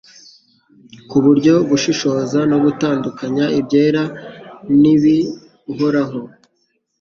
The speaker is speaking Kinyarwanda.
ku buryo gushishoza no gutandukanya ibyera n’ibihoraho